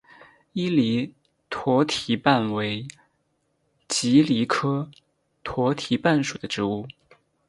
伊犁驼蹄瓣为蒺藜科驼蹄瓣属的植物。